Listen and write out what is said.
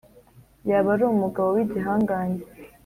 yaba ari umugabo w’igihangange